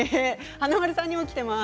華丸さんにもきています。